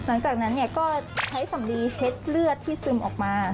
หลังจากนั้นก็ใช้สำลีเช็ดเลือดที่ซึมออกมา